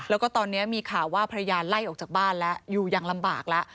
แล้วก็ตอนนี้มีข่าวว่าภรรยาไล่ออกจากบ้านแล้วอยู่อย่างลำบากแล้ว